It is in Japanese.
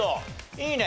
いいね！